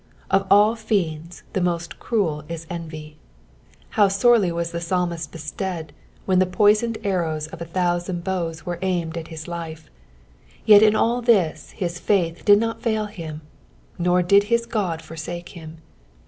Of all fiends the most cruel is eavy. How sorely was the psalmist bestead when the poisoned arrows of a, thoQsand bows were all umed at his life I fet in all this hia faith did not fail biffl, nor did his Ood forsake him.